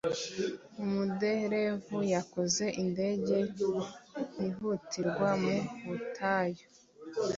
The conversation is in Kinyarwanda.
umuderevu yakoze indege yihutirwa mu butayu